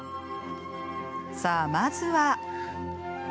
さあ、まずは。